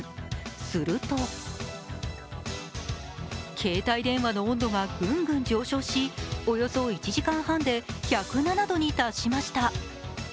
すると携帯電話の温度がグングン上昇しおよそ１時間半で１０７度に達しました。